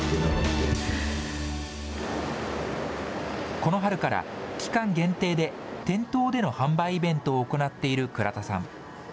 この春から、期間限定で店頭での販売イベントを行っている倉田さん。